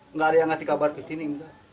nggak ada yang ngasih kabar ke sini